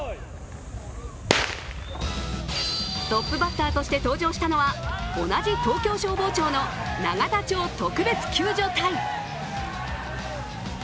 トップバッターとして登場したのは同じ東京消防庁の永田町特別救助隊。